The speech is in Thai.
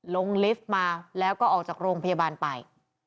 ลิฟต์มาแล้วก็ออกจากโรงพยาบาลไป